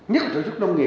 gì nếu như để b sen nữa